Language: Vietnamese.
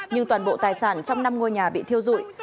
nhưng toàn bộ tài sản trong năm ngôi nhà bị thiêu dụi